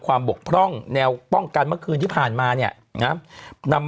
บกพร่องแนวป้องกันเมื่อคืนที่ผ่านมาเนี่ยนะนำ